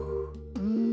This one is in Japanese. うん。